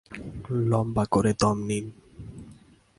লম্বা করে দম নিন।